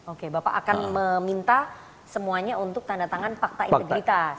oke bapak akan meminta semuanya untuk tanda tangan fakta integritas